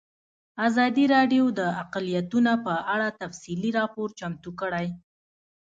ازادي راډیو د اقلیتونه په اړه تفصیلي راپور چمتو کړی.